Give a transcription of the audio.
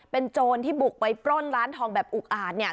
เป็นโจรที่บุกไปปล้นร้านทองแบบอุกอาจเนี่ย